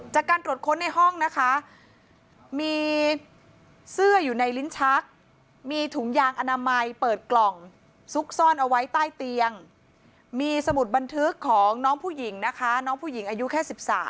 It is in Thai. จากการตรวจค้นในห้องนะคะมีเสื้ออยู่ในลิ้นชักมีถุงยางอนามัยเปิดกล่องซุกซ่อนเอาไว้ใต้เตียงมีสมุดบันทึกของน้องผู้หญิงนะคะน้องผู้หญิงอายุแค่๑๓